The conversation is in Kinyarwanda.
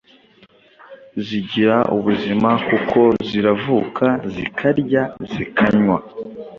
Zigira ubuzima kuko ziravuka, zikarya, zikanywa,